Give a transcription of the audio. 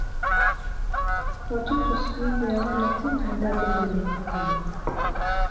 Watoto siku izi awana tena adabu mbele ya wakubwa